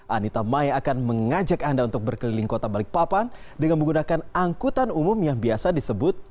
anita maya akan mengajak anda untuk berkeliling kota balikpapan dengan menggunakan angkutan umum yang biasa disebut